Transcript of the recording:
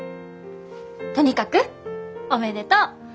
とにかくおめでとう！